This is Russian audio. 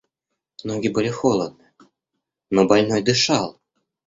Ноги были холодны, но больной дышал.